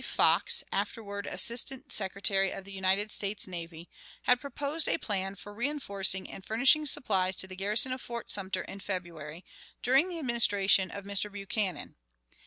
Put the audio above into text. Fox, afterward Assistant Secretary of the United States Navy, had proposed a plan for reënforcing and furnishing supplies to the garrison of Fort Sumter in February, during the Administration of Mr. Buchanan.